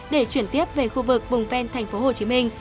để chuyển tiếp về khu vực vùng ven thành phố hồ chí minh